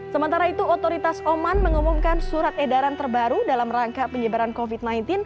sementara itu otoritas oman mengumumkan surat edaran terbaru dalam rangka penyebaran covid sembilan belas